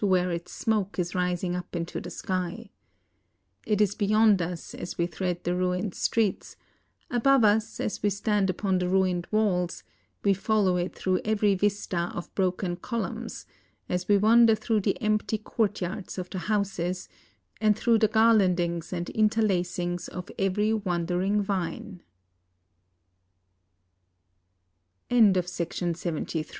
v^here its smoke is rising up into the sky. It is beyond us, as we thread the ruined streets; above us, as we stand upon the ruined walls; we follow it through every vista of broken columns, as we wander through the empty courtyards of the houses; and through the garlandings and interlacings